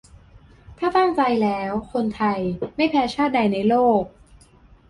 ถ้าตั้งใจแล้ว คนไทย ไม่แพ้ชาติใดในโลก !